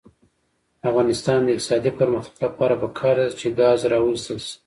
د افغانستان د اقتصادي پرمختګ لپاره پکار ده چې ګاز راوویستل شي.